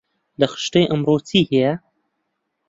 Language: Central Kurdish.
لە خشتەی ئەمڕۆ چی هەیە؟